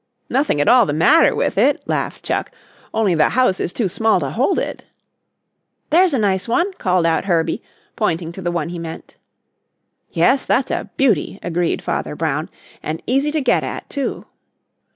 "Nothing at all the matter with it," laughed Chuck, "only the house is too small to hold it." "There's a nice one," called out Herbie, pointing to the one he meant. "Yes, that's a beauty," agreed Father Brown, "and easy to get at, too."